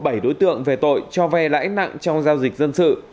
khởi tố bảy đối tượng về tội cho vay lãi nặng trong giao dịch dân sự